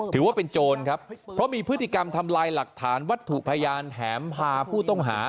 โจรครับเพราะมีพฤติกรรมทำลายหลักฐานวัตถุพยานแถมพาผู้ต้องหา